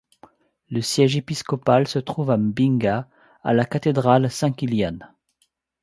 Le siège épiscopal se trouve à Mbinga, à la cathédrale Saint-Kilian.